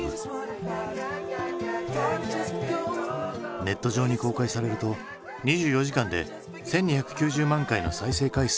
ネット上に公開されると２４時間で１，２９０万回の再生回数を記録。